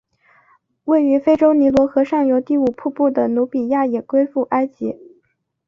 位于非洲尼罗河上游第五瀑布的努比亚也归附埃及。